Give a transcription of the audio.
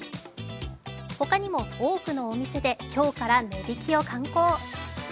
他にも、多くのお店で今日から値引きを敢行。